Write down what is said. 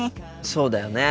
そうだよね。